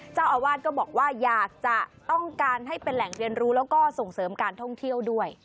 เจ้าอาวาสก็บอกว่าอยากจะต้องการให้เป็นแหล่งเรียนรู้แล้วก็ส่งเสริมการท่องเที่ยวด้วย